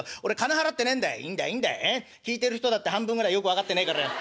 聴いてる人だって半分ぐらいよく分かってねえからよ。